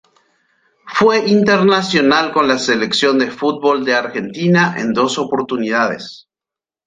Fue internacional con la Selección de Fútbol de Argentina en dos oportunidades.